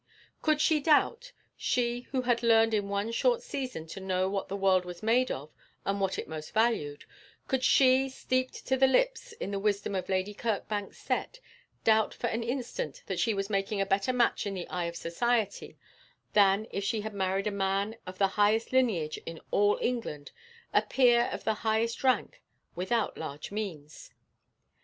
Could she doubt she who had learned in one short season to know what the world was made of and what it most valued could she, steeped to the lips in the wisdom of Lady Kirkbank's set, doubt for an instant that she was making a better match in the eye of society, than if she had married a man of the highest lineage in all England, a peer of the highest rank, without large means?